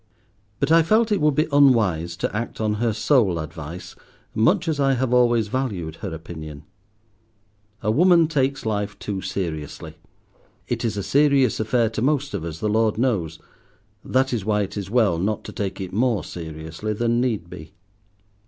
But I felt it would be unwise to act on her sole advice, much as I have always valued her opinion. A woman takes life too seriously. It is a serious affair to most of us, the Lord knows. That is why it is well not to take it more seriously than need be.